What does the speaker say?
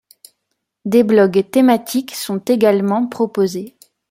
Des blogs thématiques sont également proposés.